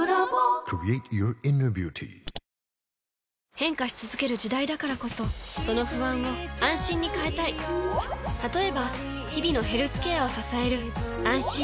変化し続ける時代だからこそその不安を「あんしん」に変えたい例えば日々のヘルスケアを支える「あんしん」